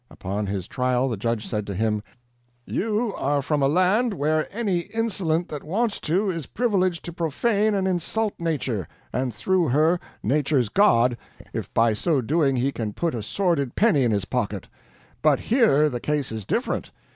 Upon his trial the judge said to him: "You are from a land where any insolent that wants to is privileged to profane and insult Nature, and, through her, Nature's God, if by so doing he can put a sordid penny in his pocket. But here the case is different.